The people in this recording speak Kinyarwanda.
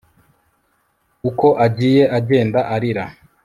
uko agiye, agenda arira